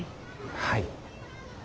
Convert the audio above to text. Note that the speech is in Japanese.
はい。